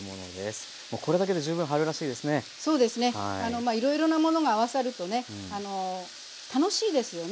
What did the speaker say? まあいろいろなものが合わさるとね楽しいですよね